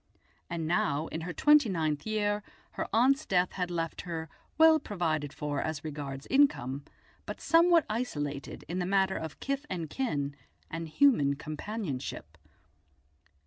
And now, in her twenty ninth year, her aunt's death had left her, well provided for as regards income, but somewhat isolated in the matter of kith and kin and human companionship.